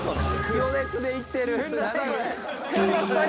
余熱でいってる！